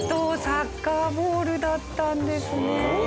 サッカーボールだったんですね。